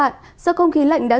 từ một đến hai độ